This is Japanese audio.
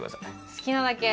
好きなだけ。